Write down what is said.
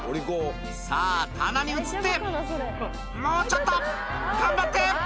さぁ棚に移ってもうちょっと頑張って！